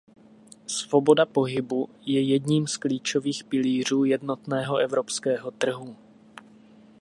Svoboda pohybu je jedním z klíčových pilířů jednotného evropského trhu.